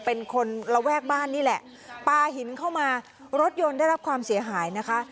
เป็นคนระแวกบ้านนี่แหละปลาหินเข้ามารถยนต์ได้รับความเสียหายนะคะ